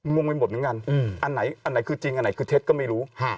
มุ่งไว้หมดนึงกันอันไหนคือจริงอันไหนคือเท็จก็ไม่รู้